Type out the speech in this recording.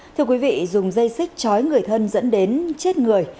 thưa quý vị dùng dây xích chói người thân dẫn đến chết người